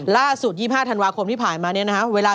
ล่าสุด๒๕ธันวาคมที่ผ่ายมาเนี่ยนะฮะเวลา๑๘๔๕